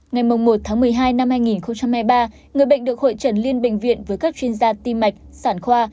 ngày một một mươi hai năm hai nghìn hai mươi ba người bệnh được hội trần liên bệnh viện với các chuyên gia tim mạch sản khoa